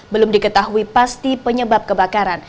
belum diketahui pasti penyebab kebakaran